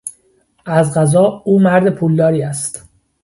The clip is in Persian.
از قضا او مرد پولداری است.